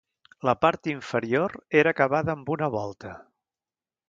La part inferior era acabada amb una volta.